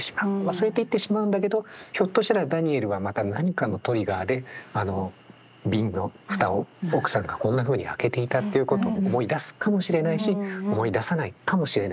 忘れていってしまうんだけどひょっとしたらダニエルはまた何かのトリガーであの瓶の蓋を奥さんがこんなふうに開けていたっていうことを思い出すかもしれないし思い出さないかもしれないでも。